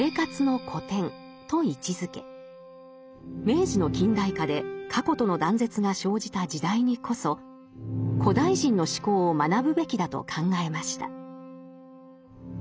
明治の近代化で過去との断絶が生じた時代にこそ古代人の思考を学ぶべきだと考えました。